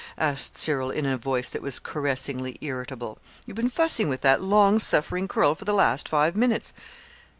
asked Cyril in a voice that was caressingly irritable. "You've been fussing with that long suffering curl for the last five minutes!"